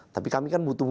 tapi kami kan butuh